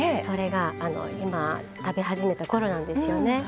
それが今食べ始めた頃なんですよね。